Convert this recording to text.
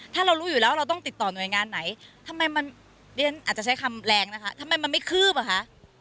ถ้าเรารู้อยู่แล้วเราต้องติดต่อหน่วยงานไหนทำไมมันเรียนอาจจะใช้คำแรงนะคะทำไมมันไม่คืบอ่ะคะ